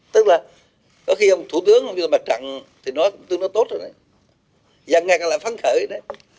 tức là có khi thủ tướng mặt trận thì thủ tướng nói tốt rồi đấy và ngay cả là phán khởi đấy